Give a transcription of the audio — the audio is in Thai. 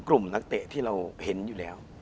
นักเตะที่เราเห็นอยู่แล้ว